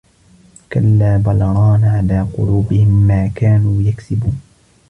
كلا بل ران على قلوبهم ما كانوا يكسبون